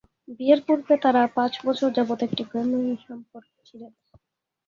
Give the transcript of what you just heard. বিয়ের পূর্বে তারা পাঁচ বছর যাবৎ একটি প্রেমের সম্পর্কে ছিলেন।